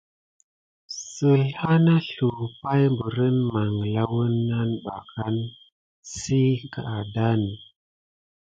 Səlhâ nà sluwà pay berine manla wuna ɓa kan si tadane apay kisia.